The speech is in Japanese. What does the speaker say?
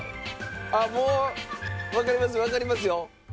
あっもうわかりますわかりますよ。